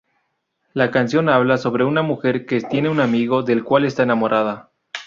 La canción habla sobre una mujer que tiene un amigo del cual está enamorada.